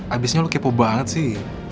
abisnya lu kepo banget sih